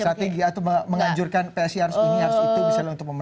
strategi atau mengajurkan psi harus ini harus itu misalnya untuk memenangkan